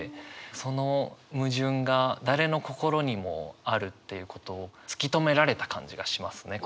その矛盾が誰の心にもあるっていうことを突き止められた感じがしますね。